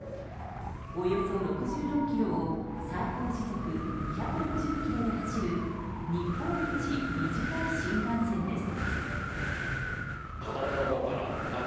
およそ６６ｋｍを最高時速２６０キロで走る日本一短い新幹線です。